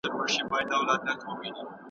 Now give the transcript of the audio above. ایا مینه یوازې یوه افسانه ده؟